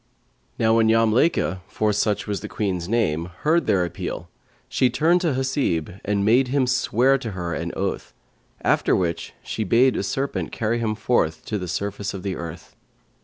Now when Yamlaykhα (for such was the Queen's name) heard their appeal, she turned to Hasib and made him swear to her an oath; after which she bade a serpent carry him forth to the surface of the earth.